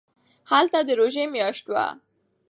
هلته د روژې میاشت وه.